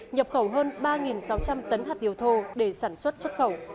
nhập khẩu hơn ba sáu trăm linh tấn hạt điều thô để sản xuất xuất khẩu